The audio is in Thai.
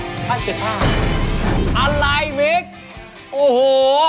ตั้ง๗๕บาทอะไรมิคโอ้โฮ